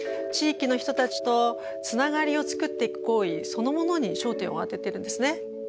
地域の人たちとつながりを作っていく行為そのものに焦点をあててるんですね。